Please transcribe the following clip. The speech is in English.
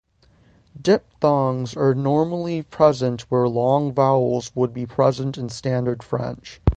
Diphthongs are normally present where long vowels would be present in standard French.